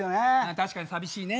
確かに寂しいね。